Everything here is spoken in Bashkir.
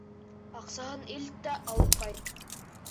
Аҡсаһын илт тә алып ҡайт!